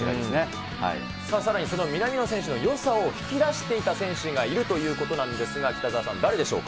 さらにその南野選手のよさを引き出していた選手がいるということなんですが、北澤さん、誰でしょうか。